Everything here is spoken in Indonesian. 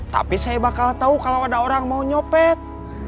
tapi saya bakal tahu kalau ada orang mau nyopet